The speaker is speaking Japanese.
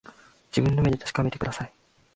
自分の目で確かめてください